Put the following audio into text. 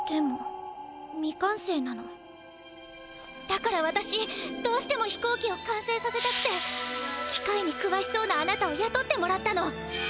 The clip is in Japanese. だからわたしどうしても飛行機をかんせいさせたくてきかいにくわしそうなあなたをやとってもらったの。